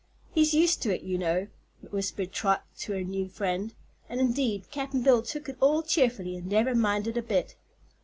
"He's used to it, you know," whispered Trot to her new friend; and, indeed, Cap'n Bill took it all cheerfully and never minded a bit.